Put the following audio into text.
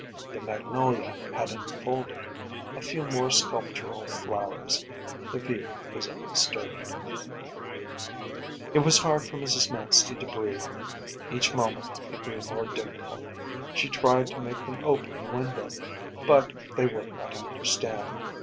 The magnolia had unfolded a few more sculptural flowers; the view was undisturbed. It was hard for Mrs. Manstey to breathe; each moment it grew more difficult. She tried to make them open the window, but they would not understand.